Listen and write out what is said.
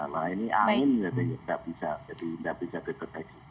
nah ini angin tidak bisa jadi tidak bisa dideteksi